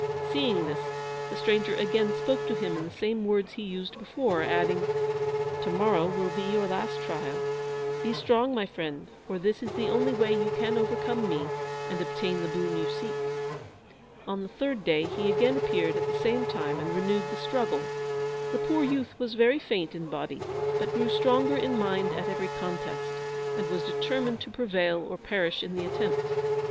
Seeing this, the stranger again spoke to him in the same words he used before, adding, "To morrow will be your last trial. Be strong, my friend, for this is the only way you can overcome me, and obtain the boon you seek." On the third day he again appeared at the same time and renewed the struggle. The poor youth was very faint in body, but grew stronger in mind at every contest, and was determined to prevail or perish in the attempt.